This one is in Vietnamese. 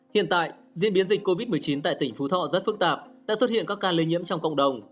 hiện tại diễn biến dịch covid một mươi chín tại tỉnh phú thọ rất phức tạp đã xuất hiện các ca lây nhiễm trong cộng đồng